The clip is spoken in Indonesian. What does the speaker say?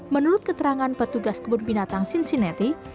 menurut keterangan petugas kebun binatang sinsineti